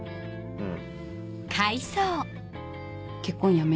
うん。